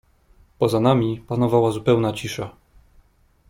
"Poza nami panowała zupełna cisza."